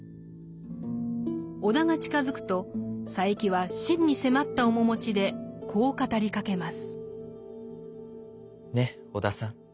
尾田が近づくと佐柄木は真に迫った面持ちでこう語りかけます。